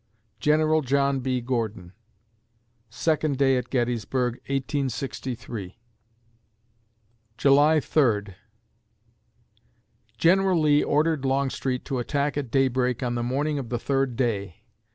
GENERAL JOHN B. GORDON Second day at Gettysburg, 1863 July Third General Lee ordered Longstreet to attack at daybreak on the morning of the third day....